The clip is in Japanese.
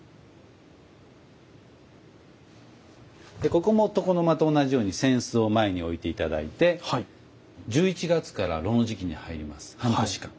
でここも床の間と同じように扇子を前に置いて頂いて１１月から炉の時期に入ります。